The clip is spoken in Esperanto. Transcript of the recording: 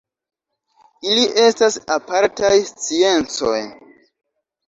Ili estas apartaj sciencoj.